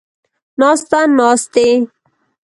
ناسته ، ناستې